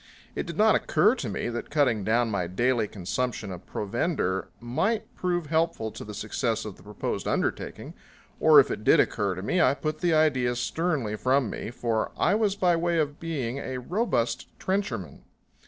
It did not occur to me that cutting down my daily consumption of provender might prove helpful to the success of the proposed undertaking. Or if it did occur to me I put the idea sternly from me, for I was by way of being a robust trencherman.